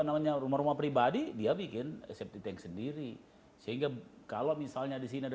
namanya rumah rumah pribadi dia bikin seperti yang sendiri sehingga kalau misalnya di sini ada tiga ratus